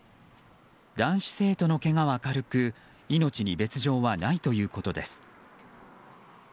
男子生徒のけがは軽く命に別条はないということです。